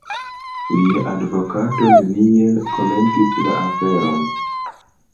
Lia advokato neniel komentis la aferon.